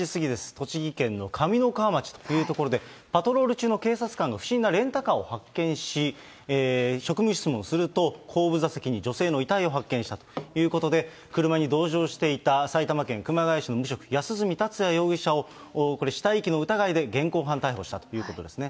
栃木県の上三川町というところで、パトロール中の警察官が不審なレンタカーを発見し、職務質問すると、後部座席に女性の遺体を発見したということで、車に同乗していた埼玉県熊谷市の無職、安栖達也容疑者をこれ、死体遺棄の疑いで現行犯逮捕したということですね。